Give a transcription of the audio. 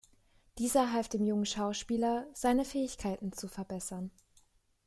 Dieser half dem jungen Schauspieler, seine Fähigkeiten zu verbessern.